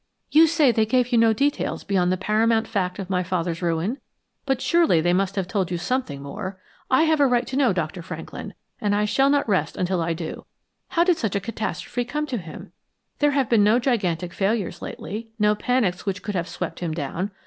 "You say they gave you no details beyond the paramount fact of my father's ruin? But surely they must have told you something more. I have a right to know, Dr. Franklin, and I shall not rest until I do. How did such a catastrophe come to him? There have been no gigantic failures lately, no panics which could have swept him down.